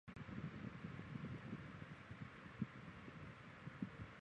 现存天守指的是日本城郭中保留有江户时代及更早之前修筑的天守的城堡。